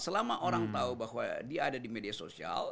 selama orang tahu bahwa dia ada di media sosial